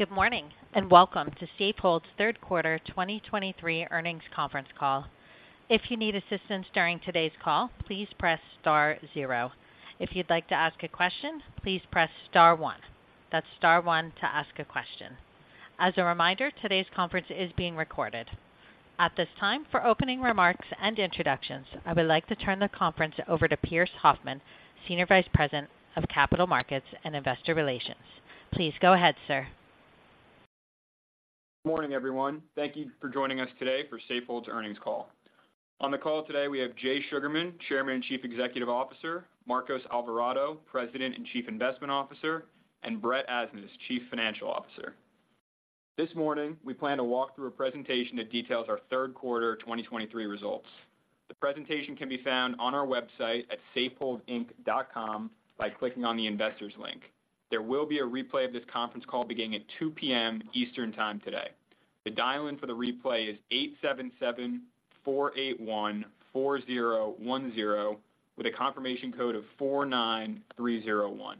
Good morning, and welcome to Safehold's Third Quarter 2023 Earnings Conference Call. If you need assistance during today's call, please press star zero. If you'd like to ask a question, please press star one. That's star one to ask a question. As a reminder, today's conference is being recorded. At this time, for opening remarks and introductions, I would like to turn the conference over to Pearse Hoffmann, Senior Vice President of Capital Markets and Investor Relations. Please go ahead, sir. Good morning, everyone. Thank you for joining us today for Safehold's Earnings Call. On the call today, we have Jay Sugarman, Chairman and Chief Executive Officer, Marcos Alvarado, President and Chief Investment Officer, and Brett Asnas, Chief Financial Officer. This morning, we plan to walk through a presentation that details our third quarter 2023 results. The presentation can be found on our website at safeholdinc.com by clicking on the Investors link. There will be a replay of this conference call beginning at 2:00 P.M. Eastern Time today. The dial-in for the replay is 877-481-4010, with a confirmation code of 49301.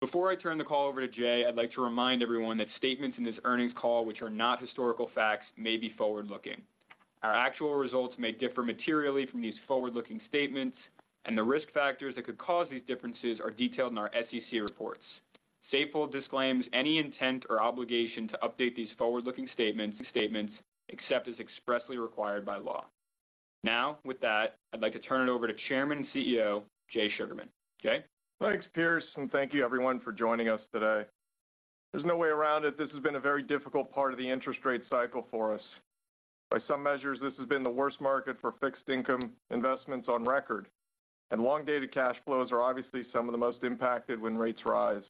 Before I turn the call over to Jay, I'd like to remind everyone that statements in this earnings call, which are not historical facts, may be forward-looking. Our actual results may differ materially from these forward-looking statements, and the risk factors that could cause these differences are detailed in our SEC reports. Safehold disclaims any intent or obligation to update these forward-looking statements except as expressly required by law. Now, with that, I'd like to turn it over to Chairman and CEO, Jay Sugarman. Jay? Thanks, Pearse, and thank you everyone for joining us today. There's no way around it. This has been a very difficult part of the interest rate cycle for us. By some measures, this has been the worst market for fixed income investments on record, and long-dated cash flows are obviously some of the most impacted when rates rise.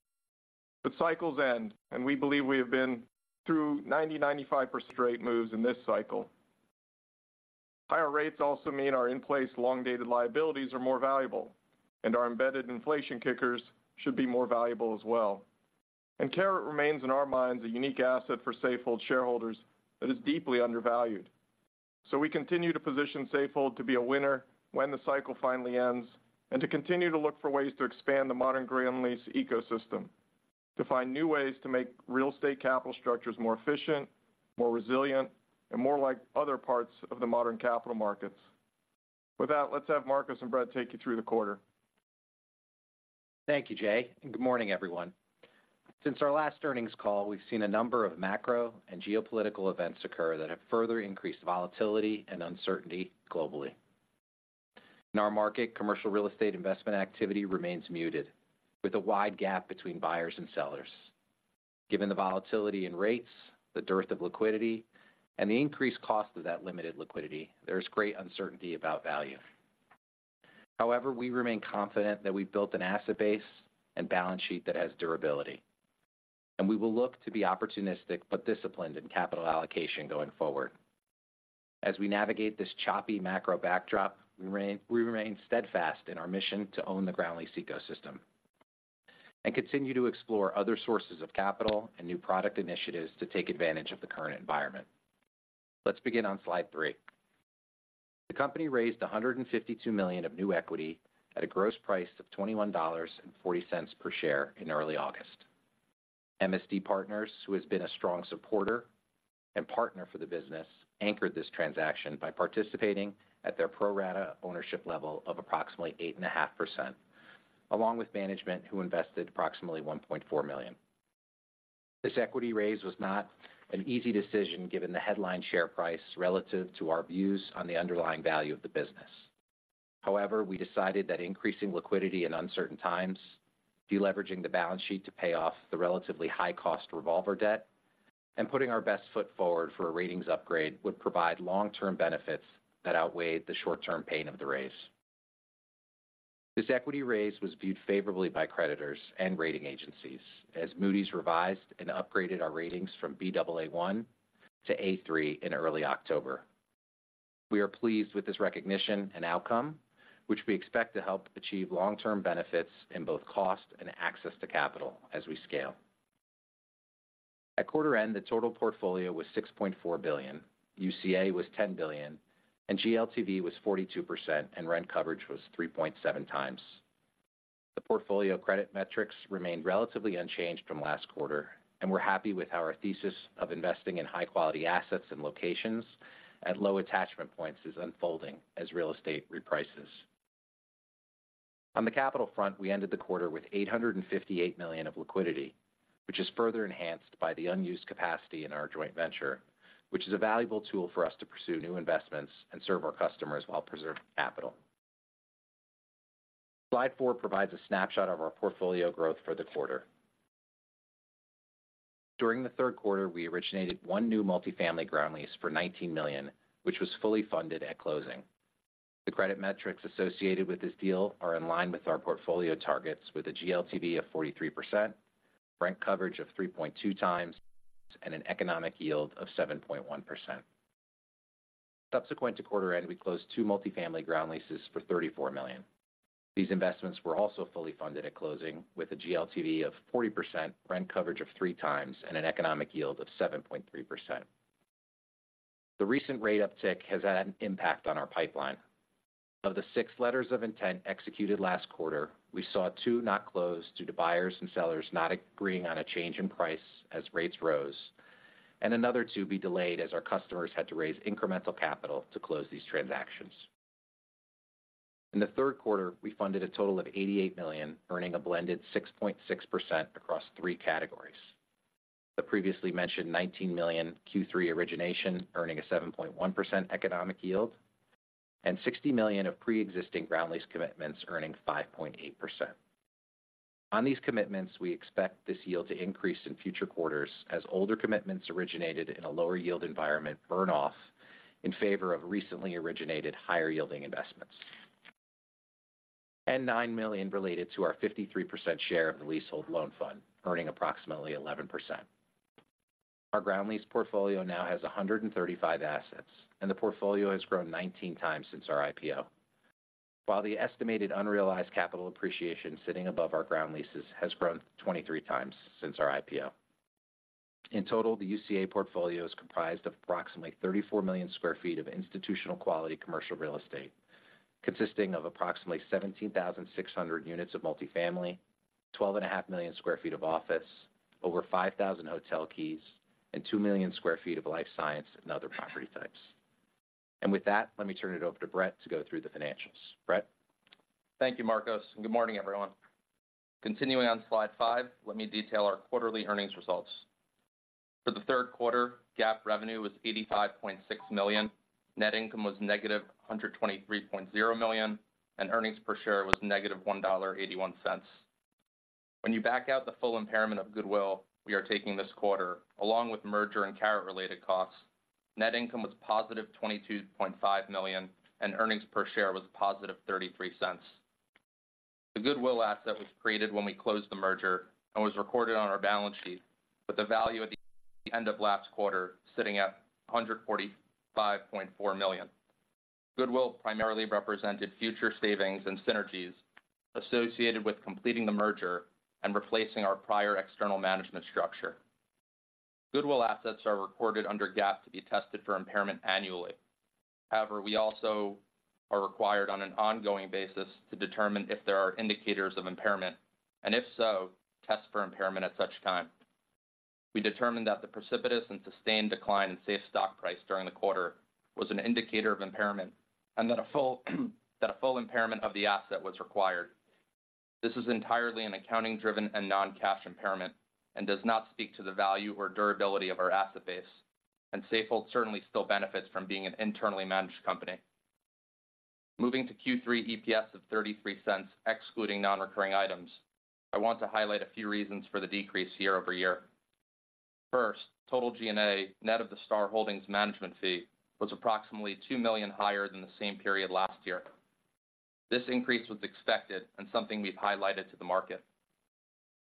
But cycles end, and we believe we have been through 90%-95% rate moves in this cycle. Higher rates also mean our in-place long-dated liabilities are more valuable, and our embedded inflation kickers should be more valuable as well. And Caret remains, in our minds, a unique asset for Safehold shareholders that is deeply undervalued. So we continue to position Safehold to be a winner when the cycle finally ends, and to continue to look for ways to expand the modern ground lease ecosystem, to find new ways to make real estate capital structures more efficient, more resilient, and more like other parts of the modern capital markets. With that, let's have Marcos and Brett take you through the quarter. Thank you, Jay, and good morning, everyone. Since our last earnings call, we've seen a number of macro and geopolitical events occur that have further increased volatility and uncertainty globally. In our market, commercial real estate investment activity remains muted, with a wide gap between buyers and sellers. Given the volatility in rates, the dearth of liquidity, and the increased cost of that limited liquidity, there is great uncertainty about value. However, we remain confident that we've built an asset base and balance sheet that has durability, and we will look to be opportunistic but disciplined in capital allocation going forward. As we navigate this choppy macro backdrop, we remain steadfast in our mission to own the ground lease ecosystem and continue to explore other sources of capital and new product initiatives to take advantage of the current environment. Let's begin on slide three. The company raised $152 million of new equity at a gross price of $21.40 per share in early August. MSD Partners, who has been a strong supporter and partner for the business, anchored this transaction by participating at their pro rata ownership level of approximately 8.5%, along with management, who invested approximately $1.4 million. This equity raise was not an easy decision given the headline share price relative to our views on the underlying value of the business. However, we decided that increasing liquidity in uncertain times, deleveraging the balance sheet to pay off the relatively high cost revolver debt, and putting our best foot forward for a ratings upgrade, would provide long-term benefits that outweighed the short-term pain of the raise. This equity raise was viewed favorably by creditors and rating agencies as Moody's revised and upgraded our ratings from Baa1 to A3 in early October. We are pleased with this recognition and outcome, which we expect to help achieve long-term benefits in both cost and access to capital as we scale. At quarter end, the total portfolio was $6.4 billion, UCA was $10 billion, and GLTV was 42%, and rent coverage was 3.7 times. The portfolio credit metrics remained relatively unchanged from last quarter, and we're happy with how our thesis of investing in high-quality assets and locations at low attachment points is unfolding as real estate reprices. On the capital front, we ended the quarter with $858 million of liquidity, which is further enhanced by the unused capacity in our joint venture, which is a valuable tool for us to pursue new investments and serve our customers while preserving capital. Slide four provides a snapshot of our portfolio growth for the quarter. During the third quarter, we originated one new multifamily ground lease for $19 million, which was fully funded at closing. The credit metrics associated with this deal are in line with our portfolio targets, with a GLTV of 43%, rent coverage of 3.2 times, and an economic yield of 7.1%. Subsequent to quarter end, we closed two multifamily ground leases for $34 million. These investments were also fully funded at closing with a GLTV of 40%, rent coverage of three times, and an economic yield of 7.3%. The recent rate uptick has had an impact on our pipeline. Of the six letters of intent executed last quarter, we saw two not close due to buyers and sellers not agreeing on a change in price as rates rose, and another two be delayed as our customers had to raise incremental capital to close these transactions. In the third quarter, we funded a total of $88 million, earning a blended 6.6% across three categories. The previously mentioned $19 million Q3 origination, earning a 7.1% economic yield, and $60 million of pre-existing ground lease commitments earning 5.8%. On these commitments, we expect this yield to increase in future quarters as older commitments originated in a lower yield environment burn off in favor of recently originated higher yielding investments. $9 million related to our 53% share of the leasehold loan fund, earning approximately 11%. Our ground lease portfolio now has 135 assets, and the portfolio has grown 19 times since our IPO. While the estimated unrealized capital appreciation sitting above our ground leases has grown 23 times since our IPO. In total, the UCA portfolio is comprised of approximately 34 million sq ft of institutional quality commercial real estate, consisting of approximately 17,600 units of multifamily, 12.5 million sq ft of office, over 5,000 hotel keys, and 2 million sq ft of life science and other property types. With that, let me turn it over to Brett to go through the financials. Brett? Thank you, Marcos, and good morning, everyone. Continuing on slide five, let me detail our quarterly earnings results. For the third quarter, GAAP revenue was $85.6 million, net income was -$123.0 million, and earnings per share was -$1.81. When you back out the full impairment of goodwill, we are taking this quarter, along with merger and Caret-related costs, net income was $22.5 million, and earnings per share was $0.33. The goodwill asset was created when we closed the merger and was recorded on our balance sheet with the value at the end of last quarter, sitting at $145.4 million. Goodwill primarily represented future savings and synergies associated with completing the merger and replacing our prior external management structure. Goodwill assets are recorded under GAAP to be tested for impairment annually. However, we also are required on an ongoing basis to determine if there are indicators of impairment, and if so, test for impairment at such time. We determined that the precipitous and sustained decline in SAFE stock price during the quarter was an indicator of impairment, and that a full impairment of the asset was required. This is entirely an accounting-driven and non-cash impairment, and does not speak to the value or durability of our asset base, and Safehold certainly still benefits from being an internally managed company. Moving to Q3 EPS of $0.33, excluding non-recurring items, I want to highlight a few reasons for the decrease year-over-year. First, total G&A, net of the Star Holdings management fee, was approximately $2 million higher than the same period last year. This increase was expected and something we've highlighted to the market.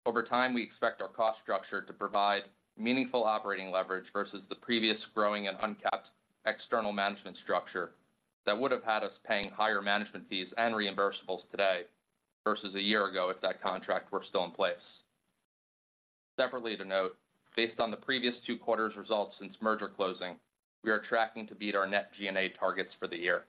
Over time, we expect our cost structure to provide meaningful operating leverage versus the previous growing and uncapped external management structure that would have had us paying higher management fees and reimbursables today versus a year ago if that contract were still in place. Separately to note, based on the previous two quarters results since merger closing, we are tracking to beat our net G&A targets for the year.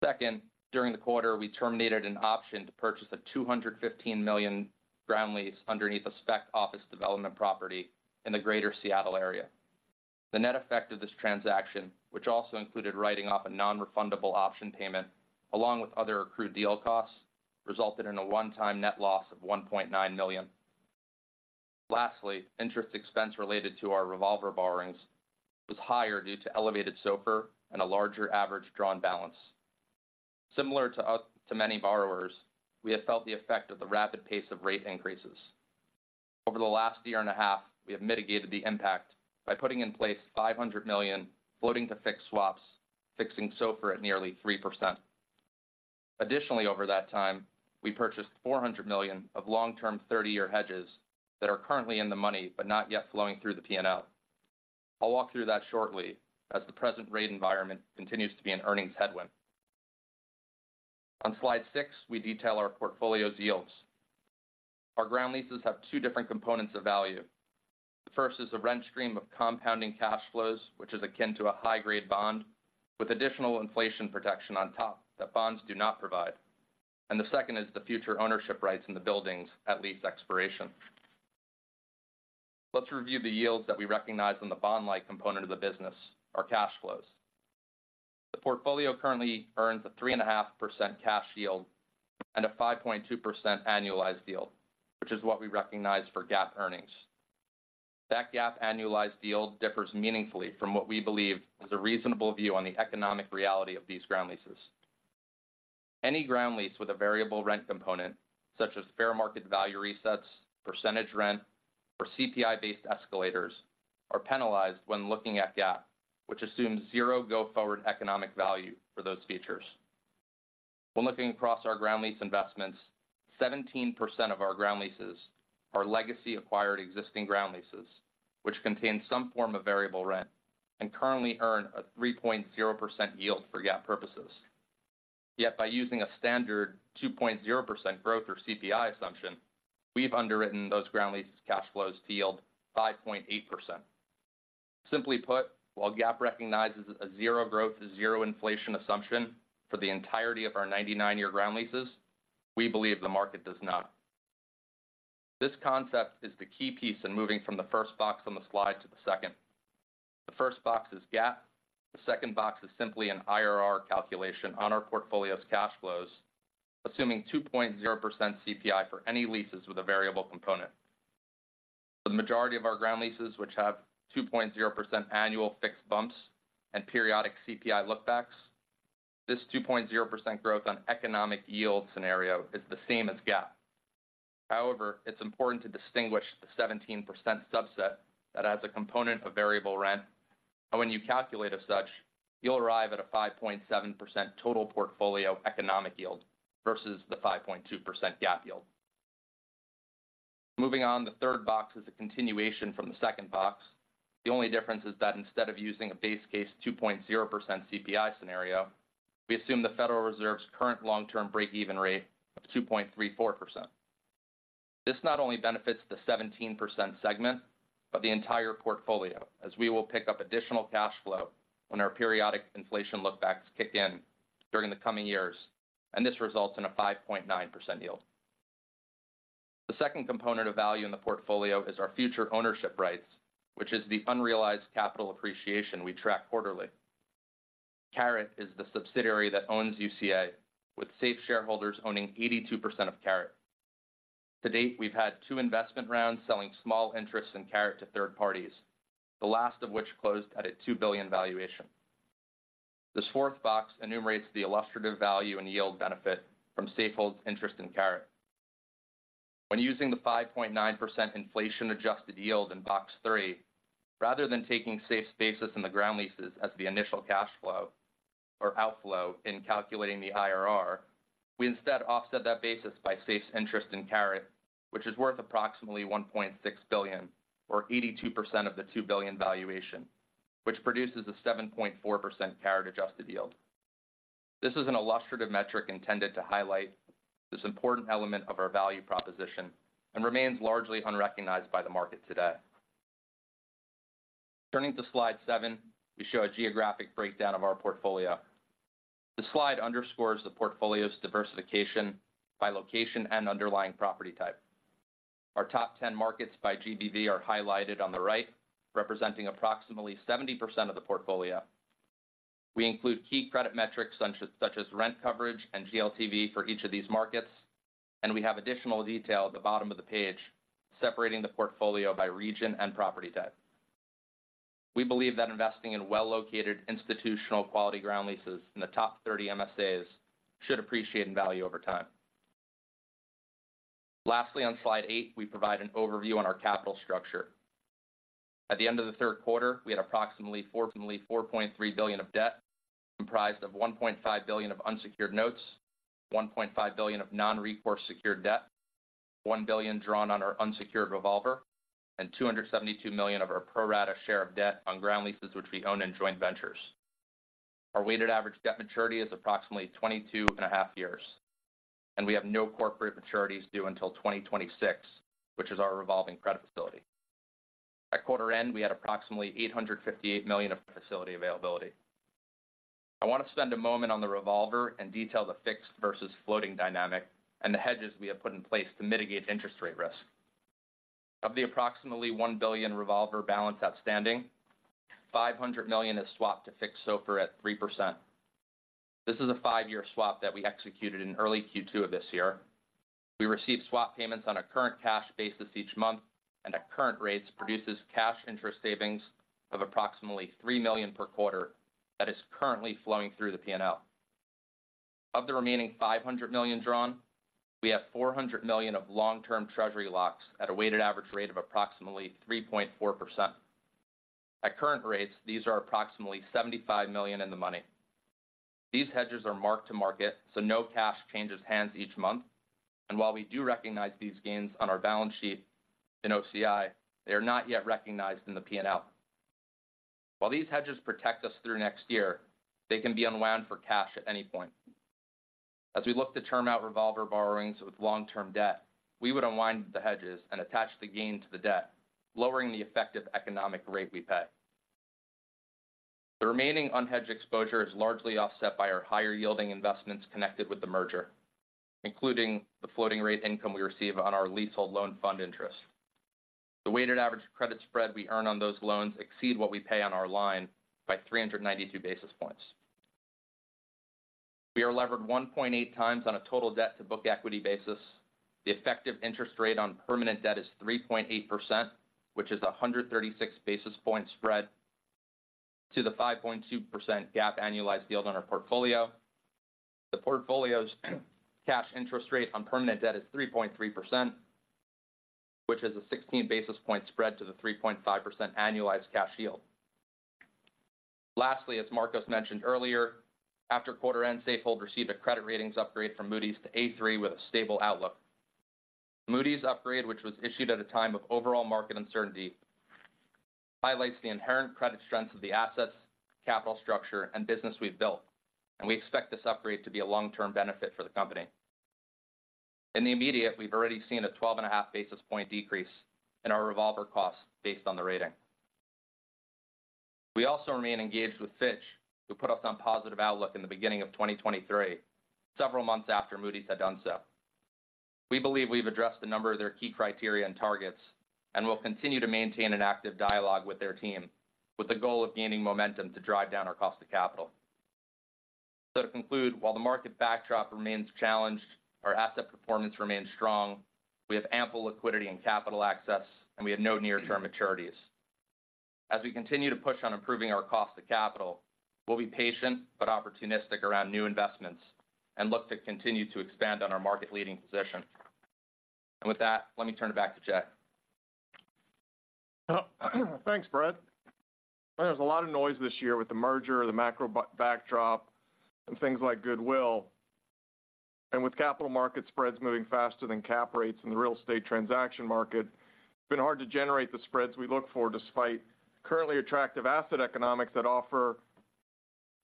Second, during the quarter, we terminated an option to purchase a $215 million ground lease underneath a spec office development property in the Greater Seattle area. The net effect of this transaction, which also included writing off a non-refundable option payment, along with other accrued deal costs, resulted in a one-time net loss of $1.9 million. Lastly, interest expense related to our revolver borrowings was higher due to elevated SOFR and a larger average drawn balance. Similar to us, to many borrowers, we have felt the effect of the rapid pace of rate increases. Over the last year and a half, we have mitigated the impact by putting in place $500 million floating to fixed swaps, fixing SOFR at nearly 3%. Additionally, over that time, we purchased $400 million of long-term 30-year hedges that are currently in the money, but not yet flowing through the P&L. I'll walk through that shortly, as the present rate environment continues to be an earnings headwind. On slide six, we detail our portfolio's yields. Our ground leases have two different components of value. The first is a rent stream of compounding cash flows, which is akin to a high-grade bond, with additional inflation protection on top that bonds do not provide. The second is the future ownership rights in the buildings at lease expiration. Let's review the yields that we recognize on the bond-like component of the business, our cash flows. The portfolio currently earns a 3.5% cash yield and a 5.2% annualized yield, which is what we recognize for GAAP earnings. That GAAP annualized yield differs meaningfully from what we believe is a reasonable view on the economic reality of these ground leases. Any ground lease with a variable rent component, such as fair market value resets, percentage rent, or CPI-based escalators, are penalized when looking at GAAP, which assumes zero go-forward economic value for those features. When looking across our ground lease investments, 17% of our ground leases are legacy-acquired existing ground leases, which contain some form of variable rent and currently earn a 3.0% yield for GAAP purposes. Yet by using a standard 2.0% growth or CPI assumption, we've underwritten those ground leases cash flows to yield 5.8%. Simply put, while GAAP recognizes a zero growth, zero inflation assumption for the entirety of our 99-year ground leases, we believe the market does not. This concept is the key piece in moving from the first box on the slide to the second. The first box is GAAP. The second box is simply an IRR calculation on our portfolio's cash flows, assuming 2.0% CPI for any leases with a variable component. For the majority of our ground leases, which have 2.0% annual fixed bumps and periodic CPI look backs, this 2.0% growth on economic yield scenario is the same as GAAP. However, it's important to distinguish the 17% subset that has a component of variable rent, and when you calculate as such, you'll arrive at a 5.7% total portfolio economic yield versus the 5.2% GAAP yield. Moving on, the third box is a continuation from the second box. The only difference is that instead of using a base case 2.0% CPI scenario, we assume the Federal Reserve's current long-term breakeven rate of 2.34%. This not only benefits the 17% segment, but the entire portfolio, as we will pick up additional cash flow when our periodic inflation look backs kick in during the coming years, and this results in a 5.9% yield. The second component of value in the portfolio is our future ownership rights, which is the unrealized capital appreciation we track quarterly. Caret is the subsidiary that owns UCA, with Safehold shareholders owning 82% of Caret. To date, we've had two investment rounds selling small interests in Caret to third parties, the last of which closed at a $2 billion valuation. This fourth box enumerates the illustrative value and yield benefit from Safehold's interest in Caret. When using the 5.9% inflation-adjusted yield in box three, rather than taking Safehold's basis in the ground leases as the initial cash flow or outflow in calculating the IRR, we instead offset that basis by Safehold's interest in Caret, which is worth approximately $1.6 billion, or 82% of the $2 billion valuation, which produces a 7.4% Caret adjusted yield. This is an illustrative metric intended to highlight this important element of our value proposition and remains largely unrecognized by the market today. Turning to slide seven, we show a geographic breakdown of our portfolio. The slide underscores the portfolio's diversification by location and underlying property type. Our top 10 markets by GBV are highlighted on the right, representing approximately 70% of the portfolio. We include key credit metrics, such as rent coverage and GLTV for each of these markets, and we have additional detail at the bottom of the page, separating the portfolio by region and property type. We believe that investing in well-located, institutional-quality ground leases in the top 30 MSAs should appreciate in value over time. Lastly, on slide eight, we provide an overview on our capital structure. At the end of the third quarter, we had approximately $4.3 billion of debt, comprised of $1.5 billion of unsecured notes, $1.5 billion of non-recourse secured debt, $1 billion drawn on our unsecured revolver, and $272 million of our pro rata share of debt on ground leases, which we own in joint ventures. Our weighted average debt maturity is approximately 22.5 years, and we have no corporate maturities due until 2026, which is our revolving credit facility. At quarter end, we had approximately $858 million of facility availability. I want to spend a moment on the revolver and detail the fixed versus floating dynamic and the hedges we have put in place to mitigate interest rate risk. Of the approximately $1 billion revolver balance outstanding, $500 million is swapped to fix SOFR at 3%. This is a five-year swap that we executed in early Q2 of this year. We received swap payments on a current cash basis each month, and at current rates, produces cash interest savings of approximately $3 million per quarter that is currently flowing through the P&L. Of the remaining $500 million drawn, we have $400 million of long-term Treasury locks at a weighted average rate of approximately 3.4%. At current rates, these are approximately $75 million in the money. These hedges are marked to market, so no cash changes hands each month. And while we do recognize these gains on our balance sheet in OCI, they are not yet recognized in the P&L. While these hedges protect us through next year, they can be unwound for cash at any point. As we look to term out revolver borrowings with long-term debt, we would unwind the hedges and attach the gain to the debt, lowering the effective economic rate we pay. The remaining unhedged exposure is largely offset by our higher-yielding investments connected with the merger, including the floating rate income we receive on our leasehold loan fund interest. The weighted average credit spread we earn on those loans exceed what we pay on our line by 392 basis points. We are levered 1.8 times on a total debt-to-book equity basis. The effective interest rate on permanent debt is 3.8%, which is a 136 basis point spread to the 5.2% GAAP annualized yield on our portfolio. The portfolio's cash interest rate on permanent debt is 3.3%, which is a 16 basis point spread to the 3.5% annualized cash yield. Lastly, as Marcos mentioned earlier, after quarter end, Safehold received a credit ratings upgrade from Moody's to A3 with a stable outlook. Moody's upgrade, which was issued at a time of overall market uncertainty, highlights the inherent credit strength of the assets, capital structure, and business we've built, and we expect this upgrade to be a long-term benefit for the company. In the immediate, we've already seen a 12.5 basis point decrease in our revolver costs based on the rating. We also remain engaged with Fitch, who put us on positive outlook in the beginning of 2023, several months after Moody's had done so. We believe we've addressed a number of their key criteria and targets, and we'll continue to maintain an active dialogue with their team, with the goal of gaining momentum to drive down our cost of capital. To conclude, while the market backdrop remains challenged, our asset performance remains strong. We have ample liquidity and capital access, and we have no near-term maturities. As we continue to push on improving our cost of capital, we'll be patient but opportunistic around new investments and look to continue to expand on our market-leading position. With that, let me turn it back to Jay. Thanks, Brett. There's a lot of noise this year with the merger, the macro backdrop, and things like goodwill. With capital market spreads moving faster than cap rates in the real estate transaction market, it's been hard to generate the spreads we look for, despite currently attractive asset economics that offer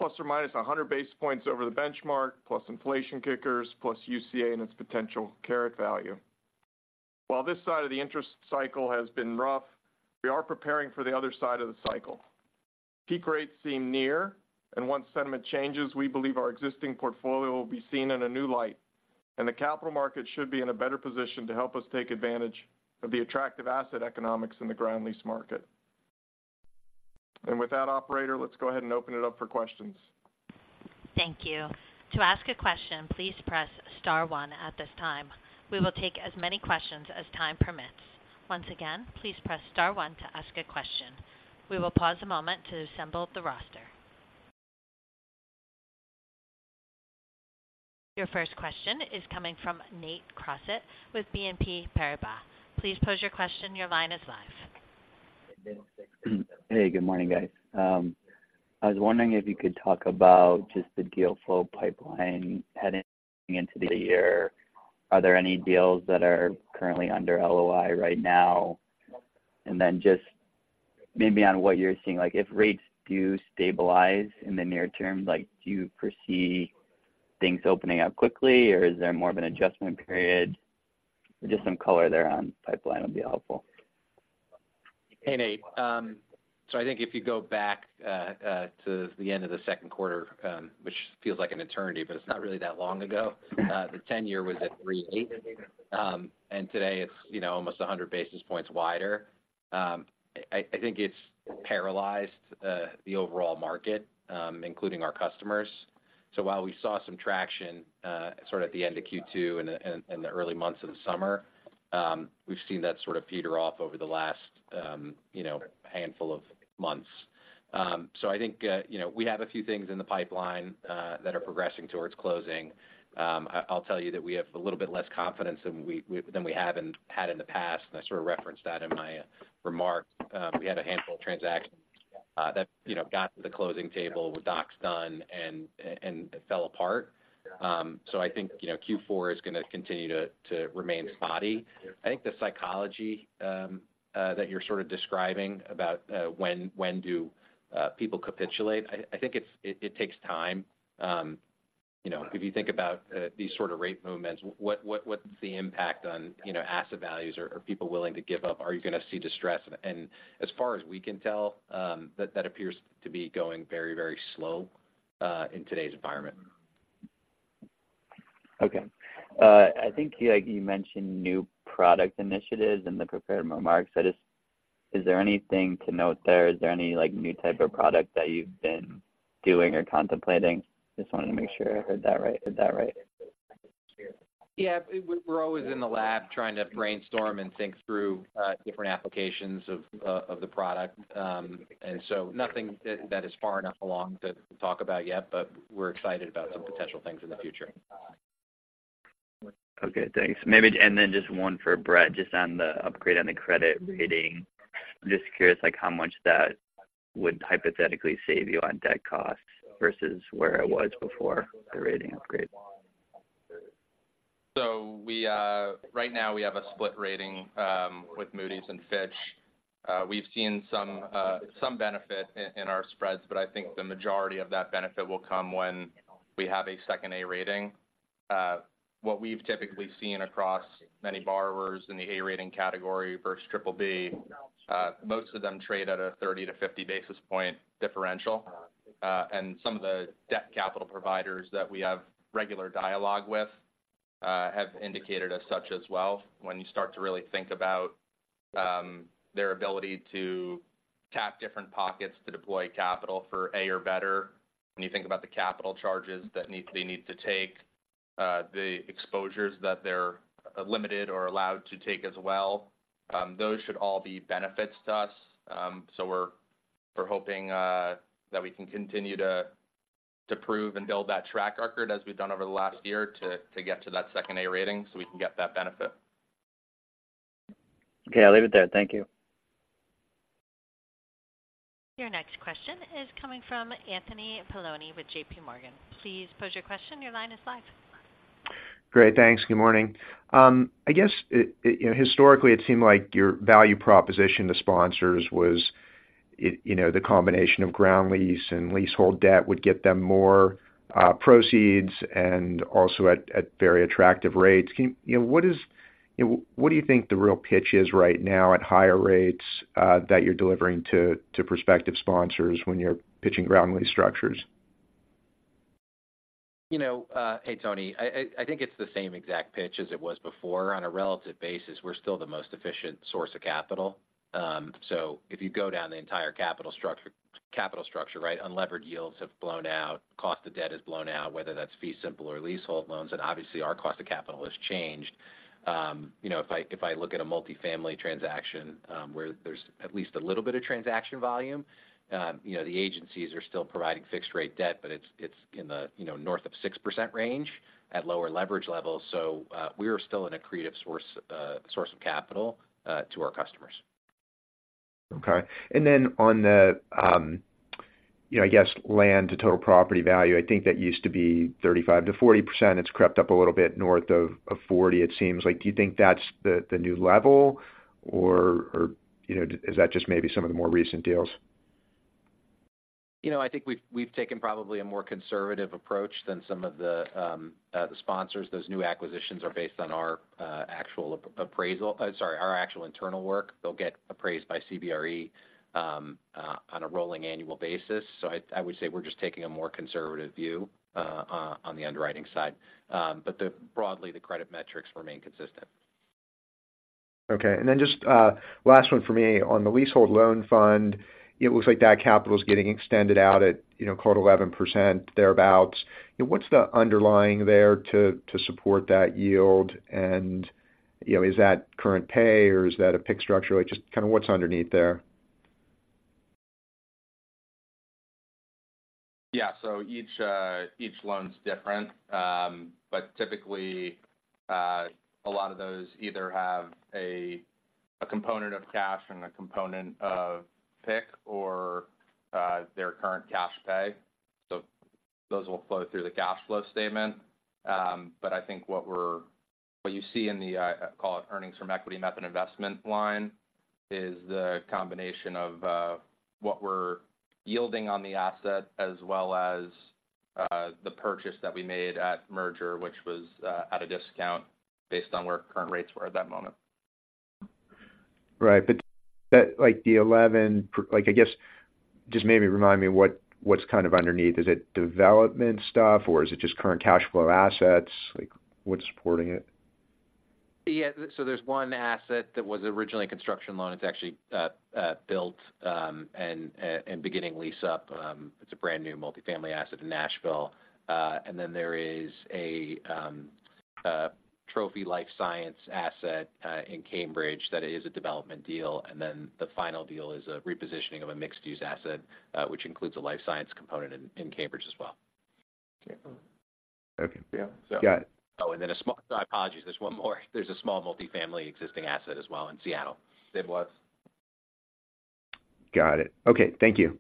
±100 basis points over the benchmark, plus inflation kickers, plus UCA and its potential carry value. While this side of the interest cycle has been rough, we are preparing for the other side of the cycle. Peak rates seem near, and once sentiment changes, we believe our existing portfolio will be seen in a new light, and the capital market should be in a better position to help us take advantage of the attractive asset economics in the ground lease market. With that, operator, let's go ahead and open it up for questions. Thank you. To ask a question, please press star one at this time. We will take as many questions as time permits. Once again, please press star one to ask a question. We will pause a moment to assemble the roster. Your first question is coming from Nate Crossett with BNP Paribas. Please pose your question. Your line is live. Hey, good morning, guys. I was wondering if you could talk about just the deal flow pipeline heading into the year. Are there any deals that are currently under LOI right now? And then just maybe on what you're seeing, like, if rates do stabilize in the near term, like, do you foresee things opening up quickly, or is there more of an adjustment period? Just some color there on pipeline would be helpful. Hey, Nate. So I think if you go back to the end of the second quarter, which feels like an eternity, but it's not really that long ago, the ten-year was at 3.8. And today it's, you know, almost 100 basis points wider. I think it's paralyzed the overall market, including our customers. So while we saw some traction sort of at the end of Q2 and the early months of the summer, we've seen that sort of peter off over the last, you know, handful of months. So I think, you know, we have a few things in the pipeline that are progressing towards closing. I'll tell you that we have a little bit less confidence than we have and had in the past, and I sort of referenced that in my remarks. We had a handful of transactions, you know, that got to the closing table with docs done and fell apart. So I think, you know, Q4 is gonna continue to remain spotty. I think the psychology that you're sort of describing about when do people capitulate, I think it takes time. You know, if you think about these sort of rate movements, what's the impact on asset values? Are people willing to give up? Are you gonna see distress? As far as we can tell, that appears to be going very, very slow in today's environment. Okay. I think you, like, you mentioned new product initiatives in the prepared remarks. Is there anything to note there? Is there any, like, new type of product that you've been doing or contemplating? Just wanted to make sure I heard that right. Is that right? Yeah. We're always in the lab trying to brainstorm and think through different applications of the product. And so nothing that is far enough along to talk about yet, but we're excited about some potential things in the future. Okay, thanks. Maybe, and then just one for Brett, just on the upgrade on the credit rating. I'm just curious, like, how much that would hypothetically save you on debt costs versus where it was before the rating upgrade. So we right now have a split rating with Moody's and Fitch. We've seen some benefit in our spreads, but I think the majority of that benefit will come when we have a second A rating. What we've typically seen across many borrowers in the A rating category versus triple B, most of them trade at a 30-50 basis point differential. And some of the debt capital providers that we have regular dialogue with have indicated as such as well. When you start to really think about their ability to tap different pockets to deploy capital for A or better, when you think about the capital charges that they need to take, the exposures that they're limited or allowed to take as well, those should all be benefits to us. So we're hoping that we can continue to prove and build that track record as we've done over the last year, to get to that second A rating, so we can get that benefit. Okay, I'll leave it there. Thank you. Your next question is coming from Anthony Paolone with J.P. Morgan. Please pose your question. Your line is live. Great, thanks. Good morning. I guess, you know, historically, it seemed like your value proposition to sponsors was, you know, the combination of ground lease and leasehold debt would get them more proceeds and also at very attractive rates. Can you, you know, what is, you know, what do you think the real pitch is right now at higher rates that you're delivering to prospective sponsors when you're pitching ground lease structures? You know, hey, Tony, I think it's the same exact pitch as it was before. On a relative basis, we're still the most efficient source of capital. So if you go down the entire capital structure, right, unlevered yields have blown out, cost of debt has blown out, whether that's fee simple or leasehold loans, and obviously, our cost of capital has changed. You know, if I look at a multifamily transaction, where there's at least a little bit of transaction volume, you know, the agencies are still providing fixed rate debt, but it's in the north of 6% range at lower leverage levels. So, we are still a creative source of capital to our customers. Okay. And then on the, you know, I guess, land to total property value, I think that used to be 35%-40%. It's crept up a little bit north of 40%, it seems like. Do you think that's the new level, or, you know, is that just maybe some of the more recent deals? You know, I think we've taken probably a more conservative approach than some of the sponsors. Those new acquisitions are based on our actual internal work. They'll get appraised by CBRE on a rolling annual basis. So I would say we're just taking a more conservative view on the underwriting side. But broadly, the credit metrics remain consistent. Okay. And then just, last one for me. On the leasehold loan fund, it looks like that capital is getting extended out at, you know, called 11%, thereabout. What's the underlying there to support that yield? And, you know, is that current pay, or is that a PIK structure? Just kind of what's underneath there? Yeah. So each, each loan is different. But typically, a lot of those either have a component of cash and a component of PIK or, their current cash pay. So those will flow through the cash flow statement. But I think what we're, what you see in the, call it, earnings from equity method investment line, is the combination of, what we're yielding on the asset, as well as, the purchase that we made at merger, which was, at a discount based on where current rates were at that moment. Right. But that, like, the 11, like, I guess, just maybe remind me what, what's kind of underneath. Is it development stuff, or is it just current cash flow assets? Like, what's supporting it? Yeah, so there's one asset that was originally a construction loan. It's actually built and beginning lease up. It's a brand new multifamily asset in Nashville. And then there is a trophy life science asset in Cambridge that is a development deal. And then the final deal is a repositioning of a mixed-use asset, which includes a life science component in Cambridge as well. Okay. Yeah. Got it. Oh, and then a small. My apologies, there's one more. There's a small multifamily existing asset as well in Seattle. There was. Got it. Okay, thank you.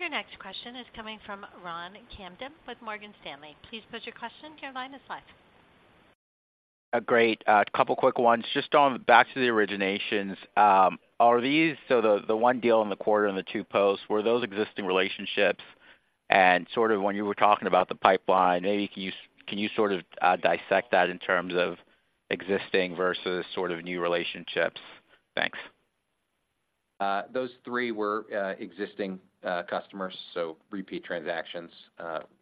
Your next question is coming from Ron Kamdem with Morgan Stanley. Please pose your question. Your line is live. Great. A couple quick ones. Just on back to the originations, are these, so the one deal in the quarter and the two posts, were those existing relationships? And sort of, when you were talking about the pipeline, maybe can you sort of dissect that in terms of existing versus sort of new relationships? Thanks. Those three were existing customers, so repeat transactions,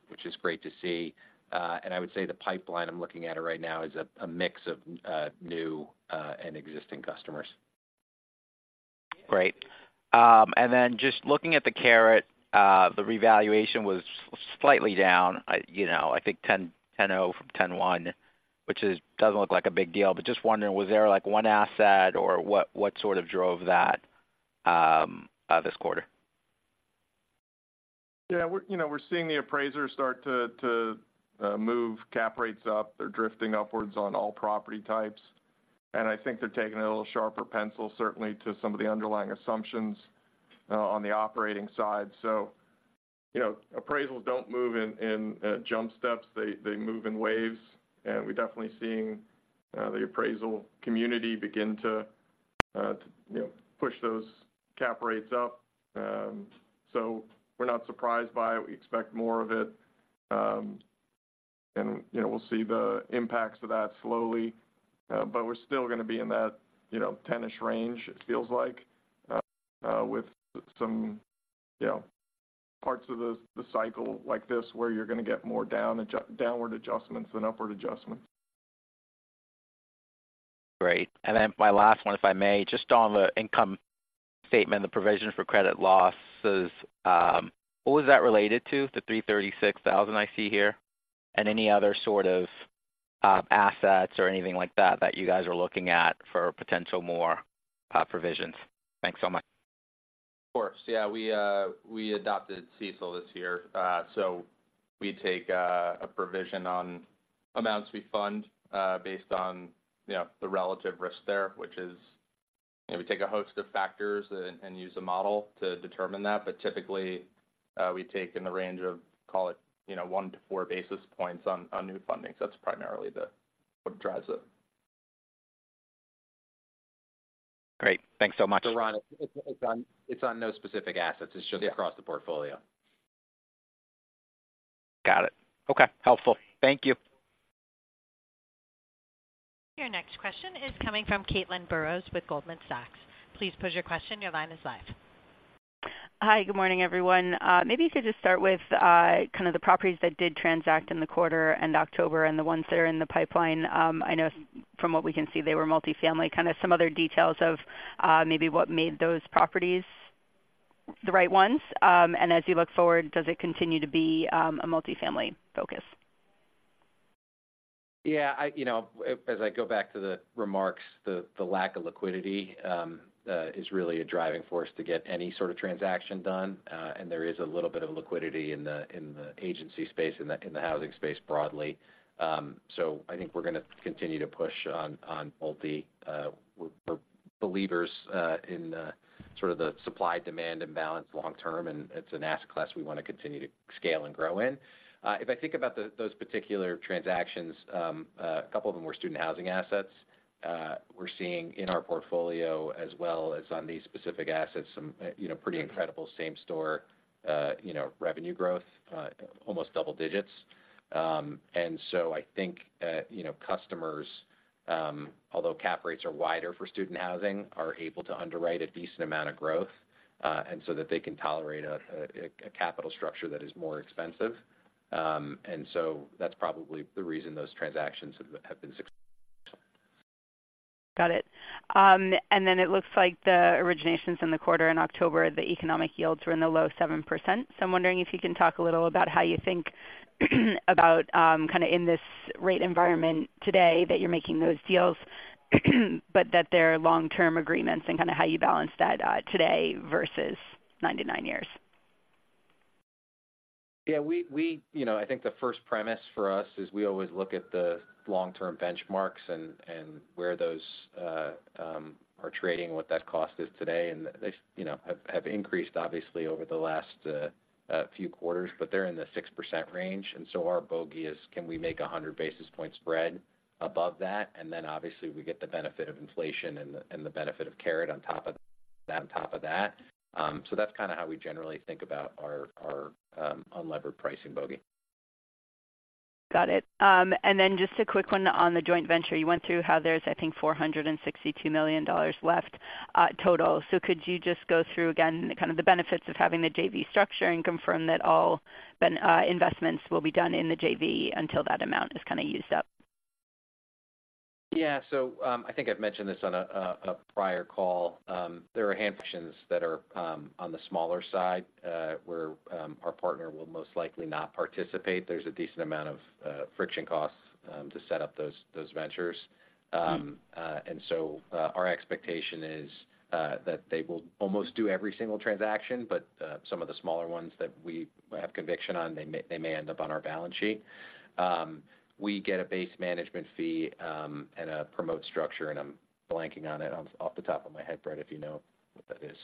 which is great to see. I would say the pipeline I'm looking at right now is a mix of new and existing customers. Great. And then just looking at the Caret, the revaluation was slightly down, you know, I think 10.0 from 10.1, which doesn't look like a big deal. But just wondering, was there, like, one asset or what, what sort of drove that, this quarter? Yeah, we're, you know, we're seeing the appraisers start to move cap rates up. They're drifting upwards on all property types, and I think they're taking a little sharper pencil, certainly, to some of the underlying assumptions on the operating side. So, you know, appraisals don't move in jump steps, they move in waves. And we're definitely seeing the appraisal community begin to push those cap rates up. So we're not surprised by it. We expect more of it. And, you know, we'll see the impacts of that slowly, but we're still gonna be in that, you know, ten-ish range, it feels like, with some, you know, parts of the cycle like this, where you're gonna get more downward adjustments than upward adjustments. Great. And then my last one, if I may, just on the income statement, the provision for credit losses, what was that related to, the $336,000 I see here? And any other sort of, assets or anything like that, that you guys are looking at for potential more, provisions? Thanks so much. Of course. Yeah, we, we adopted CECL this year. So we take a provision on amounts we fund based on, you know, the relative risk there, which is we take a host of factors and use a model to determine that. But typically, we take in the range of, call it, you know, 1-4 basis points on new fundings. That's primarily what drives it. Great, thanks so much. So Ron, it's on no specific assets. Yeah. It's just across the portfolio. Got it. Okay, helpful. Thank you. Your next question is coming from Caitlin Burrows with Goldman Sachs. Please pose your question. Your line is live. Hi, good morning, everyone. Maybe you could just start with kind of the properties that did transact in the quarter and October and the ones that are in the pipeline. I know from what we can see, they were multifamily, kind of some other details of maybe what made those properties the right ones. And as you look forward, does it continue to be a multifamily focus? Yeah, you know, as I go back to the remarks, the lack of liquidity is really a driving force to get any sort of transaction done, and there is a little bit of liquidity in the agency space, in the housing space broadly. So I think we're gonna continue to push on multi. We're believers in sort of the supply-demand imbalance long term, and it's an asset class we want to continue to scale and grow in. If I think about those particular transactions, a couple of them were student housing assets. We're seeing in our portfolio, as well as on these specific assets, some you know, pretty incredible same-store you know, revenue growth, almost double digits. I think that, you know, customers, although cap rates are wider for student housing, are able to underwrite a decent amount of growth, and so that they can tolerate a capital structure that is more expensive. That's probably the reason those transactions have been successful. Got it. And then it looks like the originations in the quarter in October, the economic yields were in the low 7%. So I'm wondering if you can talk a little about how you think about, kind of in this rate environment today, that you're making those deals, but that they're long-term agreements and kind of how you balance that, today versus 9-99 years. Yeah, You know, I think the first premise for us is we always look at the long-term benchmarks and where those are trading, what that cost is today, and they, you know, have increased, obviously, over the last few quarters, but they're in the 6% range. And so our bogey is: can we make 100 basis points spread above that? And then obviously, we get the benefit of inflation and the benefit of Caret on top of that, on top of that. So that's kind of how we generally think about our unlevered pricing bogey. Got it. And then just a quick one on the joint venture. You went through how there's, I think, $462 million left, total. So could you just go through again, kind of the benefits of having the JV structure and confirm that all then, investments will be done in the JV until that amount is kind of used up? Yeah. So, I think I've mentioned this on a prior call. There are transactions that are on the smaller side, where our partner will most likely not participate. There's a decent amount of friction costs to set up those ventures. And so, our expectation is that they will almost do every single transaction, but some of the smaller ones that we have conviction on, they may end up on our balance sheet. We get a base management fee, and a promote structure, and I'm blanking on it, off the top of my head. Brett, if you know what that is.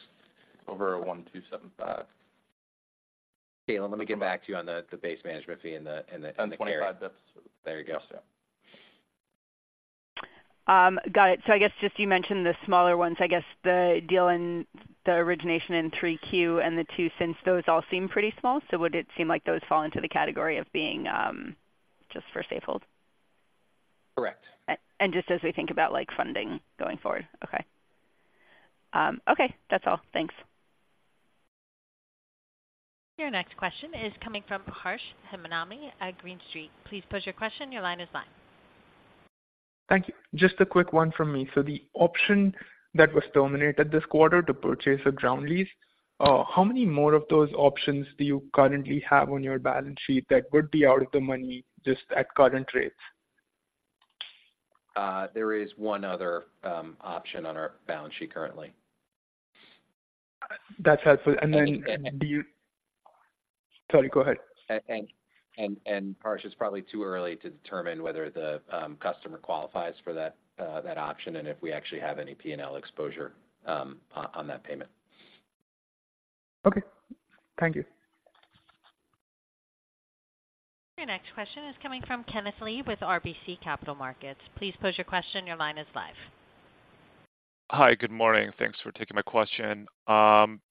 Over 1,275. Caitlin, let me get back to you on the base management fee and the- On the 25, that's- There you go. Yes, sir. Got it. So I guess just you mentioned the smaller ones. I guess the deal and the origination in 3Q and Q2, since those all seem pretty small, so would it seem like those fall into the category of being just for Safehold? Correct. Just as we think about, like, funding going forward. Okay. Okay, that's all. Thanks. Your next question is coming from Harsh Hemnani at Green Street. Please pose your question. Your line is mine. Thank you. Just a quick one from me. So the option that was terminated this quarter to purchase a ground lease, how many more of those options do you currently have on your balance sheet that would be out of the money just at current rates? There is one other option on our balance sheet currently. That's helpful. And then do you-- Sorry, go ahead. Harsh, it's probably too early to determine whether the customer qualifies for that option and if we actually have any P&L exposure on that payment. Okay. Thank you. Your next question is coming from Kenneth Lee with RBC Capital Markets. Please pose your question. Your line is live. Hi, good morning. Thanks for taking my question.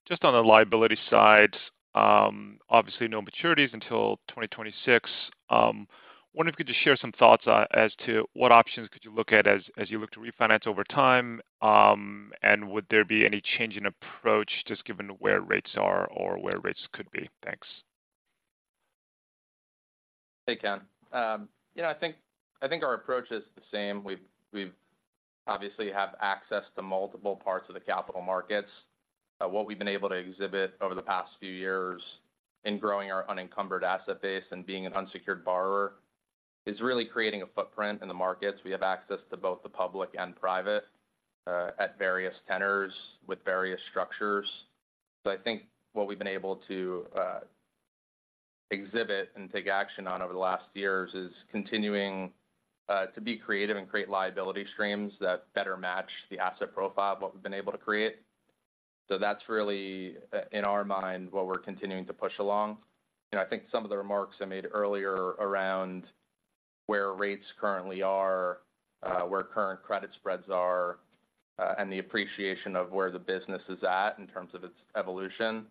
Just on the liability side, obviously no maturities until 2026. I wonder if you could just share some thoughts, as to what options could you look at as you look to refinance over time? And would there be any change in approach just given where rates are or where rates could be? Thanks. Hey, Ken. Yeah, I think, I think our approach is the same. We've, we've obviously have access to multiple parts of the capital markets. What we've been able to exhibit over the past few years in growing our unencumbered asset base and being an unsecured borrower is really creating a footprint in the markets. We have access to both the public and private at various tenors with various structures. So I think what we've been able to exhibit and take action on over the last years is continuing to be creative and create liability streams that better match the asset profile of what we've been able to create. So that's really in our mind, what we're continuing to push along. You know, I think some of the remarks I made earlier around where rates currently are, where current credit spreads are, and the appreciation of where the business is at in terms of its evolution.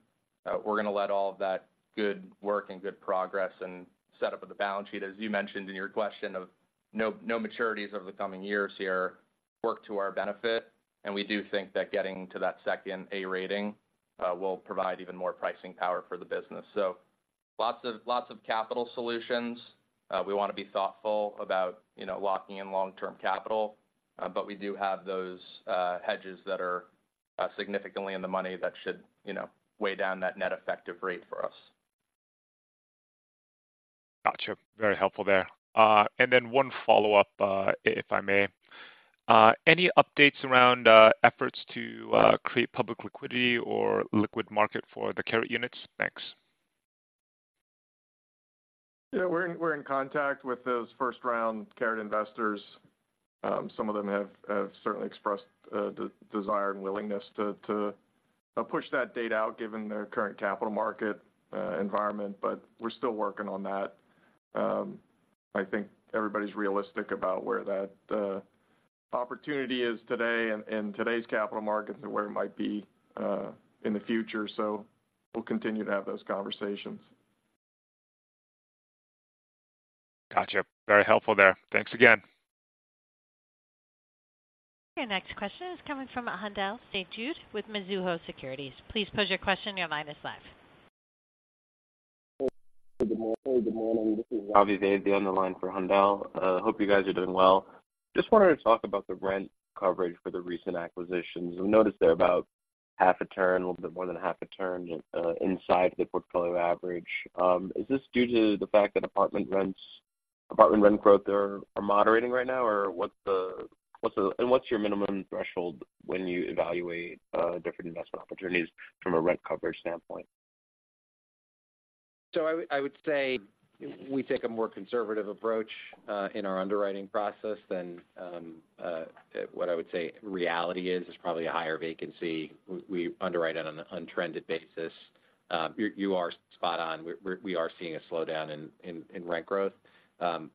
We're going to let all of that good work and good progress and set up of the balance sheet, as you mentioned in your question, of no, no maturities over the coming years here, work to our benefit. And we do think that getting to that second A rating will provide even more pricing power for the business. So lots of, lots of capital solutions. We want to be thoughtful about, you know, locking in long-term capital, but we do have those hedges that are significantly in the money that should, you know, weigh down that net effective rate for us. Got you. Very helpful there. And then one follow-up, if I may. Any updates around efforts to create public liquidity or liquid market for the Caret units? Thanks. Yeah, we're in contact with those first-round Caret investors. Some of them have certainly expressed the desire and willingness to push that date out, given their current capital market environment, but we're still working on that. I think everybody's realistic about where that opportunity is today in today's capital markets and where it might be in the future. So we'll continue to have those conversations. Got you. Very helpful there. Thanks again. Your next question is coming from Haendel St. Juste with Mizuho Securities. Please pose your question. Your line is live. Good morning. Good morning, this is Ravi Vaidya on the line for Haendel. Hope you guys are doing well. Just wanted to talk about the rent coverage for the recent acquisitions. We noticed they're about half a turn, a little bit more than half a turn, inside the portfolio average. Is this due to the fact that apartment rents - apartment rent growth are moderating right now? Or what's the, what's the... And what's your minimum threshold when you evaluate different investment opportunities from a rent coverage standpoint? So I would say we take a more conservative approach in our underwriting process than what I would say reality is probably a higher vacancy. We underwrite it on an untrended basis. You are spot on. We're seeing a slowdown in rent growth.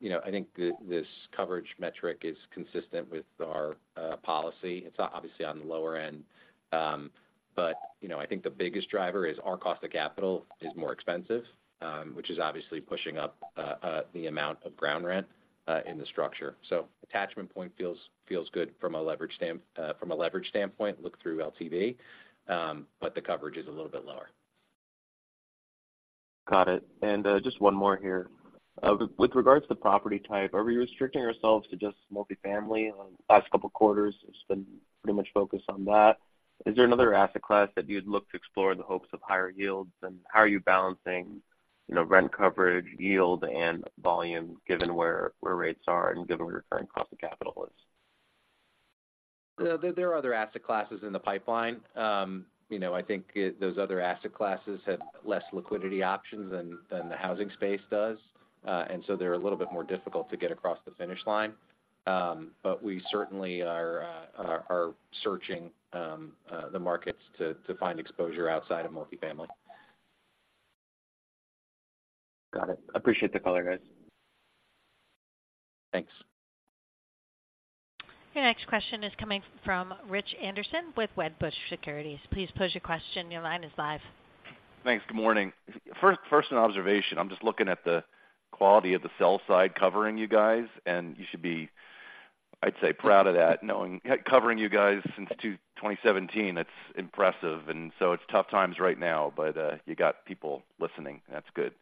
You know, I think this coverage metric is consistent with our policy. It's obviously on the lower end. But you know, I think the biggest driver is our cost of capital is more expensive, which is obviously pushing up the amount of ground rent in the structure. So attachment point feels good from a leverage standpoint, look through LTV, but the coverage is a little bit lower. Got it. And, just one more here. With regards to the property type, are we restricting ourselves to just multifamily? Last couple of quarters, it's been pretty much focused on that. Is there another asset class that you'd look to explore in the hopes of higher yields? And how are you balancing, you know, rent coverage, yield, and volume, given where rates are and given where your current cost of capital is? There are other asset classes in the pipeline. You know, I think those other asset classes have less liquidity options than the housing space does. And so they're a little bit more difficult to get across the finish line. But we certainly are searching the markets to find exposure outside of multifamily. Got it. Appreciate the color, guys. Thanks. Your next question is coming from Rich Anderson with Wedbush Securities. Please pose your question. Your line is live. Thanks. Good morning. First, an observation. I'm just looking at the quality of the sell side covering you guys, and you should be, I'd say, proud of that, knowing covering you guys since 2017, that's impressive. And so it's tough times right now, but you got people listening. That's good.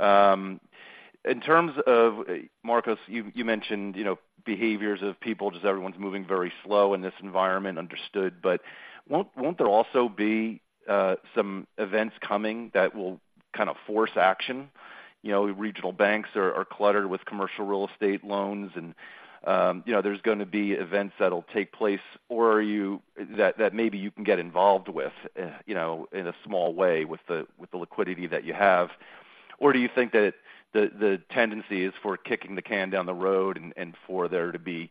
In terms of, Marcos, you mentioned, you know, behaviors of people, just everyone's moving very slow in this environment. Understood. But won't there also be some events coming that will kind of force action? You know, regional banks are cluttered with commercial real estate loans, and you know, there's going to be events that'll take place, or are you that that maybe you can get involved with, you know, in a small way, with the liquidity that you have? Or do you think that the tendency is for kicking the can down the road and for there to be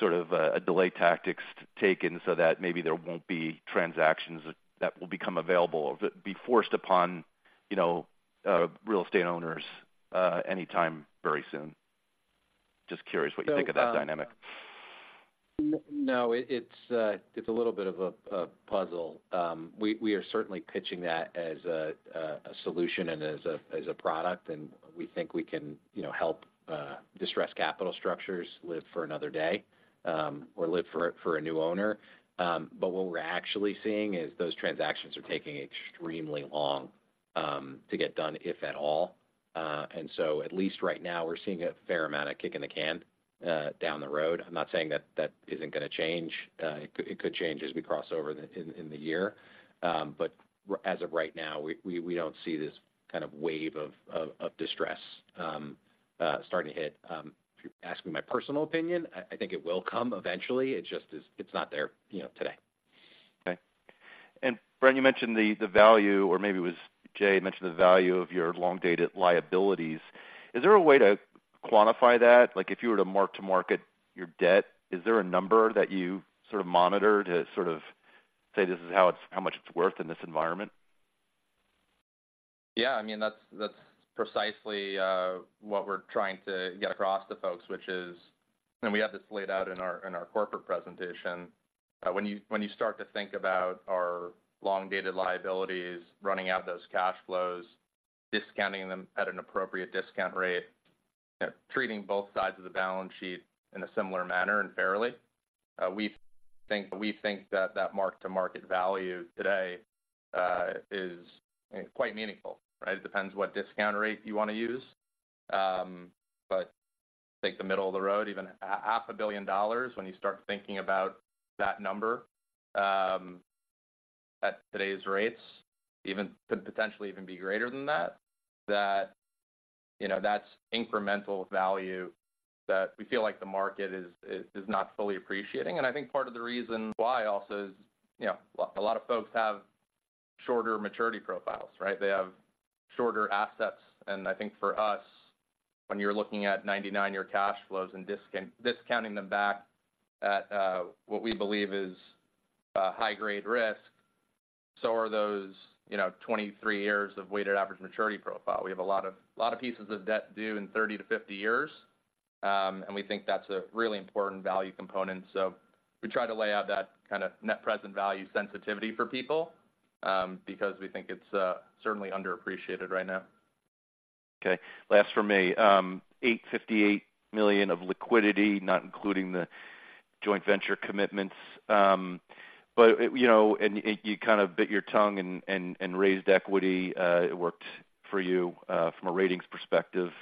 sort of a delay tactics taken so that maybe there won't be transactions that will become available, or be forced upon, you know, real estate owners, anytime very soon? Just curious what you think of that dynamic. No, it's a little bit of a puzzle. We are certainly pitching that as a solution and as a product, and we think we can, you know, help distress capital structures live for another day, or live for a new owner. But what we're actually seeing is those transactions are taking extremely long to get done, if at all. And so at least right now, we're seeing a fair amount of kick the can down the road. I'm not saying that isn't going to change. It could change as we cross over into the year. But as of right now, we don't see this kind of wave of distress starting to hit. If you ask me my personal opinion, I think it will come eventually. It just is, it's not there, you know, today. Okay. And Brett, you mentioned the value, or maybe it was Jay, mentioned the value of your long-dated liabilities. Is there a way to quantify that? Like, if you were to mark-to-market your debt, is there a number that you sort of monitor to sort of say, this is how it's, how much it's worth in this environment? Yeah, I mean, that's, that's precisely what we're trying to get across to folks, which is... And we have this laid out in our, in our corporate presentation. When you, when you start to think about our long-dated liabilities, running out those cash flows, discounting them at an appropriate discount rate, treating both sides of the balance sheet in a similar manner and fairly, we think, we think that that mark-to-market value today is quite meaningful, right? It depends what discount rate you want to use. But take the middle of the road, even $500 million, when you start thinking about that number, at today's rates, even could potentially even be greater than that, that, you know, that's incremental value that we feel like the market is, is, is not fully appreciating. I think part of the reason why also is, you know, a lot of folks have shorter maturity profiles, right? They have shorter assets. I think for us, when you're looking at 99-year cash flows and discounting them back at what we believe is high-grade risk, so are those, you know, 23 years of weighted average maturity profile. We have a lot of pieces of debt due in 30-50 years, and we think that's a really important value component. So we try to lay out that kind of net present value sensitivity for people, because we think it's certainly underappreciated right now. Okay, last for me. $858 million of liquidity, not including the joint venture commitments. But, you know, and you kind of bit your tongue and, and, and raised equity. It worked for you, from a ratings perspective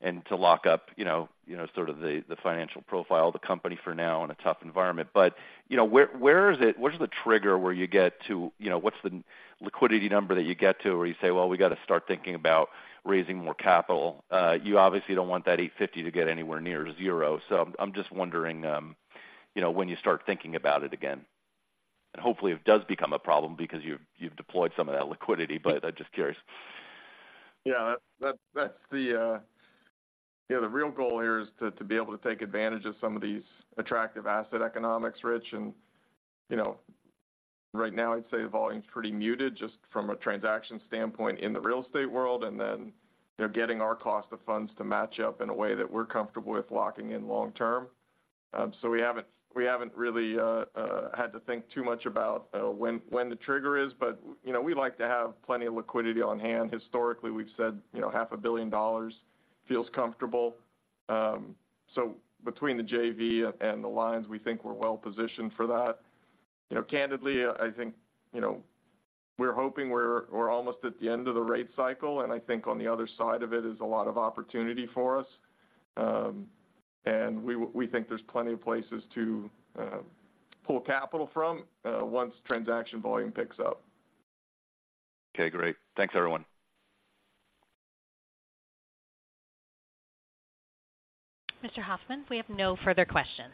and to lock up, you know, you know, sort of the, the financial profile of the company for now in a tough environment. But, you know, where, where is it, where's the trigger where you get to... You know, what's the liquidity number that you get to, where you say: Well, we got to start thinking about raising more capital? You obviously don't want that $850 to get anywhere near zero. So I'm just wondering, you know, when you start thinking about it again, and hopefully it does become a problem because you've, you've deployed some of that liquidity, but I'm just curious. Yeah, that's the, you know, the real goal here is to be able to take advantage of some of these attractive asset economics, Rich. You know, right now, I'd say the volume's pretty muted, just from a transaction standpoint in the real estate world, and then, you know, getting our cost of funds to match up in a way that we're comfortable with locking in long term. So we haven't really had to think too much about when the trigger is, but, you know, we like to have plenty of liquidity on hand. Historically, we've said, you know, $500 million feels comfortable. So between the JV and the lines, we think we're well positioned for that. You know, candidly, I think, you know, we're hoping we're almost at the end of the rate cycle, and I think on the other side of it is a lot of opportunity for us. We think there's plenty of places to pull capital from once transaction volume picks up. Okay, great. Thanks, everyone. Mr. Hoffmann, we have no further questions.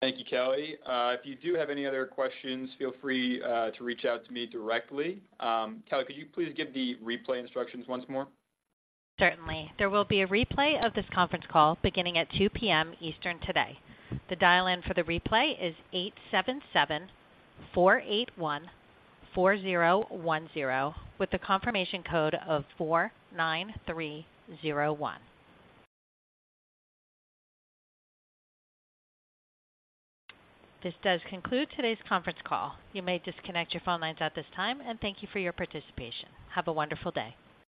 Thank you, Kelly. If you do have any other questions, feel free to reach out to me directly. Kelly, could you please give the replay instructions once more? Certainly. There will be a replay of this conference call beginning at 2:00 P.M. Eastern today. The dial-in for the replay is 877-481-4010, with a confirmation code of 49301. This does conclude today's conference call. You may disconnect your phone lines at this time, and thank you for your participation. Have a wonderful day.